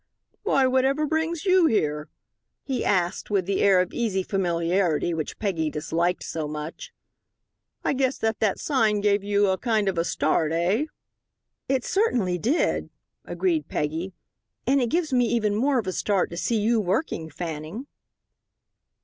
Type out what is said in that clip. "Why, what ever brings you here?" he asked, with the air of easy familiarity which Peggy disliked so much. "I guess that that sign gave you a kind of a start, eh?" "It certainly did," agreed Peggy, "and it gives me even more of a start to see you working, Fanning."